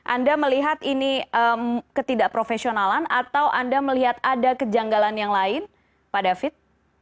anda melihat ini ketidakprofesionalan atau anda melihat ada kejanggalan yang lain pak david